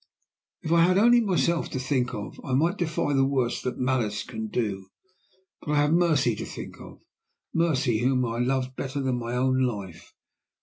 If I had only myself to think of, I might defy the worst that malice can do. But I have Mercy to think of Mercy, whom I love better than my own life!